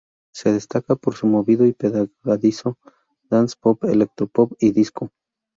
Se destaca por su movido y pegadizo Dance-pop, Electro-pop y Disco.